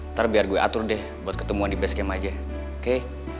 ntar biar gue atur deh buat ketemuan di base camp aja oke